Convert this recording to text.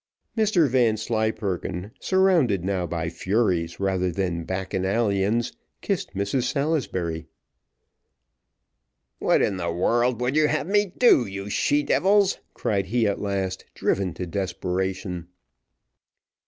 Mr Vanslyperken, surrounded now by furies rather than Bacchanalians, kissed Mrs Salisbury. "What in the world would you have me do, you she devils?" cried he at last, driven to desperation.